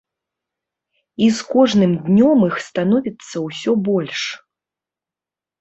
І з кожным днём іх становіцца ўсё больш.